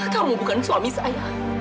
kamu bukan suami saya